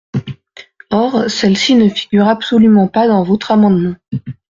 Or celle-ci ne figure absolument pas dans votre amendement.